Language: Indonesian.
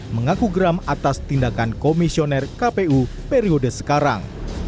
mengaku geram atas tindakan komisioner kpu periode sekarang